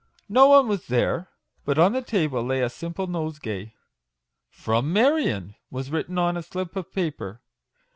No one was there; but on the table lay a simple nosegay. "From 42 MAGIC WORDS. Marion," was written on a slip of paper.